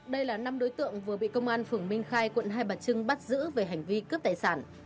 đây là năm đối tượng vừa bị công an phường minh khai quận hai bà trưng bắt giữ về hành vi cướp tài sản